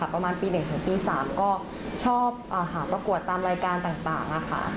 ประมาณปี๑ถึงปี๓ก็ชอบหาประกวดตามรายการต่างค่ะ